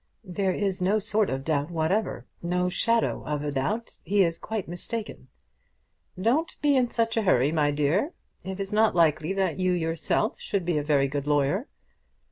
"There is no sort of doubt whatsoever; no shadow of a doubt. He is quite mistaken." "Don't be in such a hurry, my dear. It is not likely that you yourself should be a very good lawyer."